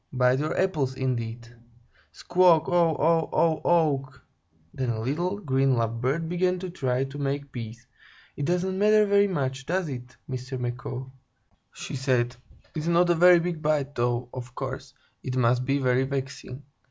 Bite your apple, indeed! Squaw aw aw aw awk k k!" Then a little, green Love Bird began to try to make peace. "It doesn't matter very much, does it, Mr. Macaw?" she said. "It's not a very big bite, though, of course, it must be very vexing.